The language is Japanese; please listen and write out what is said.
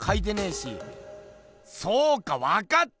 そうかわかった！